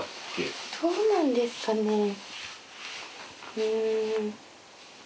うん。